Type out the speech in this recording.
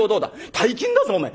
大金だぞお前。